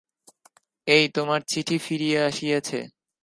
এই তোমার চিঠি ফিরিয়া আসিয়াছে।